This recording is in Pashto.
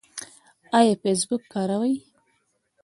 ایا فیسبوک کاروئ؟